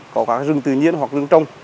có các rừng tự nhiên hoặc rừng trông